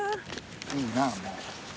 いいなもう。